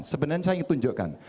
sebenarnya saya ingin tunjukkan